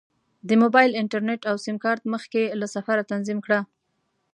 د موبایل انټرنیټ او سیم کارت مخکې له سفره تنظیم کړه.